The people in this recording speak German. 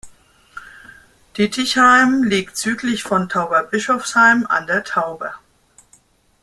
Dittigheim liegt südlich von Tauberbischofsheim an der Tauber.